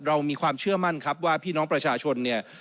เรามีความเชื่อมั่นครับว่าพี่น้องประชาชนเนี่ย